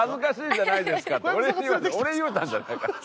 俺言うたんじゃないから。